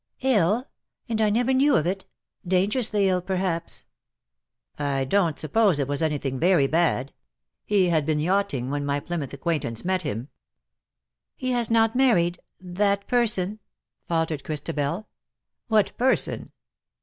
" 111 — and I never knew of it — dangerously ill, perhaps.^' " I don^t suppose it was anything very bad. He had been yachting when my Plymouth acquaintance met him/' " He has not married — that person,'' faltered Christabel, f' What person